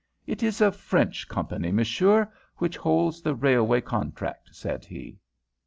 "It is a French company, monsieur, which holds the railway contract," said he.